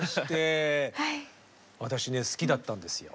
私ね好きだったんですよ。